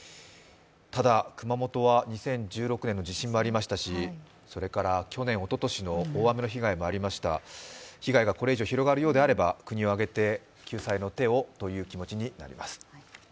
ただ、熊本は２０１６年の地震もありましたし、去年、おととしの大雨の被害もありました被害がこれ以上広がるようであれば国を挙げて救済の手をという気持ちになります。